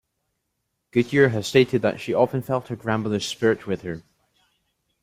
Goodyear has stated that she often felt her grandmother's spirit with her.